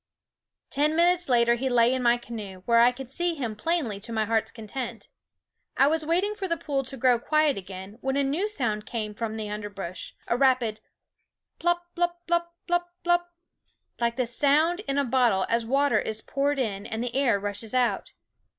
Ten minutes later he lay in my canoe, where I could see him plainly to my heart's content. I was waiting for the pool to grow quiet again, when a new sound came from the underbrush, a rapid plop, lop, lop, lop, lop, like the sound in a bottle as water is poured in and the air rushes out.